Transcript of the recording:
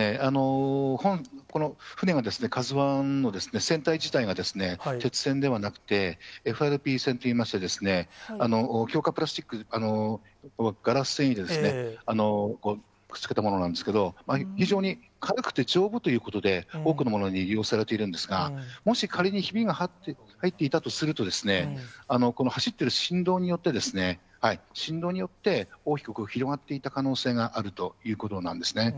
この船が、カズワンは船体自体が、鉄線ではなくて、ＦＲＰ船といいまして、強化プラスチック、ガラス繊維でくっつけたものなんですけれども、非常に軽くて丈夫ということで、多くのものに利用されているんですが、もし仮にひびが入っていたとすると、この走っている振動によって、振動によって、大きく広がっていた可能性があるということなんですね。